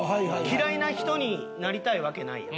嫌いな人になりたいわけないやん。